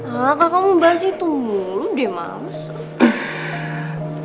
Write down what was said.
hah kakak mau bahas itu mulu deh masa